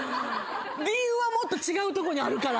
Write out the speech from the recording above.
理由はもっと違うとこにあるから。